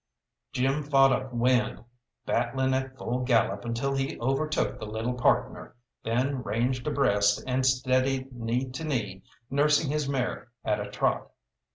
Jim fought up wind, battling at full gallop until he overtook the little partner, then ranged abreast and steadied knee to knee, nursing his mare at a trot.